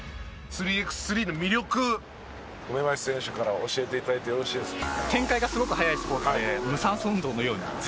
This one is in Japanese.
梅林選手から教えて頂いてよろしいですか？